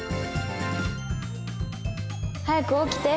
早く起きて！